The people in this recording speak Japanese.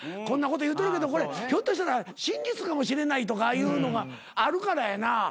こんなこと言うてるけどひょっとしたら真実かもしれないとかいうのがあるからやな。